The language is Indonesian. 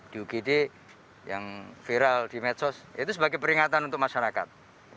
di ugd yang viral di medsos itu sebagai peringatan untuk masyarakat